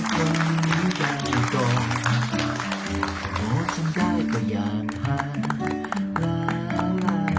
แกนืดหนึ่งของเค้ากำลัง